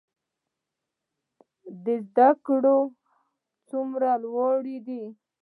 د تا زده کړي څومره لوړي دي